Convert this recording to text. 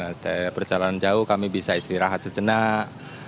ada perjalanan jauh kami bisa istirahat sejenak